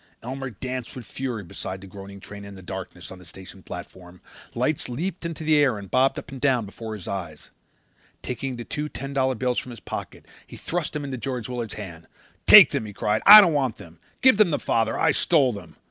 Elmer Cowley danced with fury beside the groaning train in the darkness on the station platform. Lights leaped into the air and bobbed up and down before his eyes. Taking the two ten dollar bills from his pocket he thrust them into George Willard's hand. "Take them," he cried. "I don't want them. Give them to father. I stole them."